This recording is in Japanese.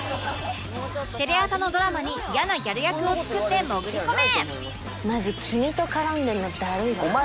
テレ朝のドラマに嫌なギャル役を作って潜り込め！